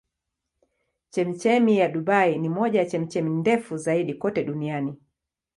Chemchemi ya Dubai ni moja ya chemchemi ndefu zaidi kote duniani.